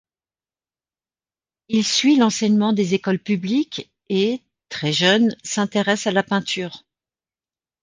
Il suit l'enseignement des écoles publiques et, très jeune, s'intéresse à la peinture.